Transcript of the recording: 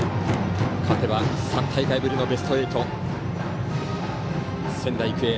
勝てば３大会ぶりのベスト８仙台育英。